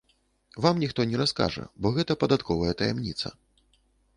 Вам ніхто не раскажа, бо гэта падатковая таямніца.